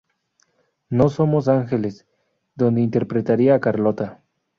No somos ángeles", donde interpretaría a Carlota.